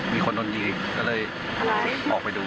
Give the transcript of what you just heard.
มีคนโดนยิงก็เลยออกไปดู